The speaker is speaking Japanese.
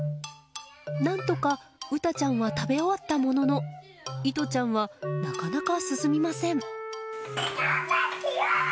何とかうたちゃんは食べ終わったもののいとちゃんはなかなか進みません。